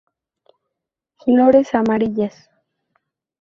Flores amarillas.